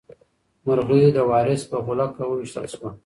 مرغۍ د وارث په غولکه وویشتل شوه.